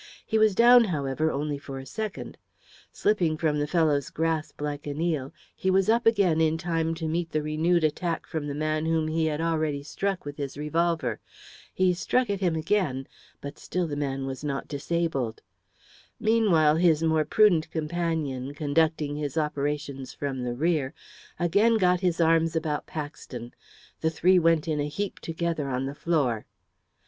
He was down, however, only for a second. Slipping from the fellow's grasp like an eel, he was up again in time to meet the renewed attack from the man whom he had already struck with his revolver. He struck at him again; but still the man was not disabled. Meanwhile, his more prudent companion, conducting his operations from the rear, again got his arms about Paxton. The three went in a heap together on the floor.